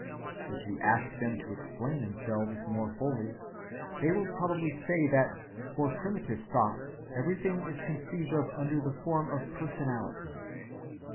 If you ask them to explain themselves more fully, they will probably say that for primitive thought everything is conceived of under the form of personality.